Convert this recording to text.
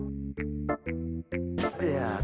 udah sepuluh kan